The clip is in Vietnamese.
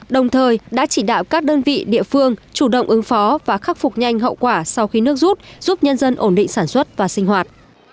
đồng thời đã chỉ đạo các đơn vị địa phương chủ động ứng phó và khắc phục nhanh hậu quả sau khi nước rút giúp nhân dân ổn định sản xuất và sinh hoạt